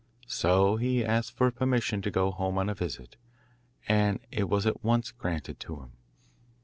So he asked for permission to go home on a visit, and it was at once granted to him.